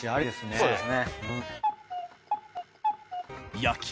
そうですね。